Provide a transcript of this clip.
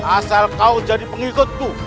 asal kau jadi pengikutku